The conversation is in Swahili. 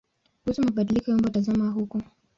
Kuhusu mabadiliko ya umbo tazama huko.